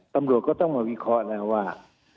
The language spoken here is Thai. ตำรวจก็ต้องมาวิเคราะห์แล้วว่า